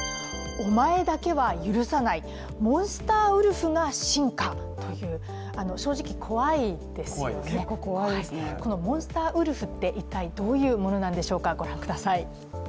おまえだけは許さないモンスターウルフが進化という正直、怖いですよね、このモンスターウルフってどういうものなんでしょうか。